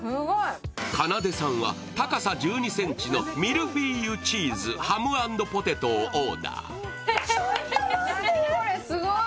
かなでさんは高さ１２ｃｍのミルフィーユチーズハム＆ポテト！をオーダー。